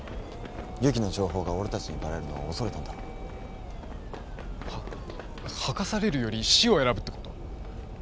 由岐の情報が俺たちにバレるのを恐れたんだろう。は吐かされるより死を選ぶってこと？